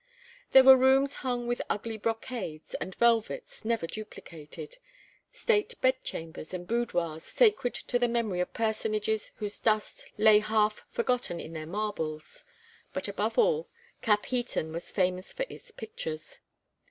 There were rooms hung with ugly brocades and velvets never duplicated, state bed chambers and boudoirs sacred to the memory of personages whose dust lay half forgotten in their marbles; but above all, Capheaton was famous for its pictures.